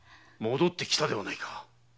戻ってきたではないか。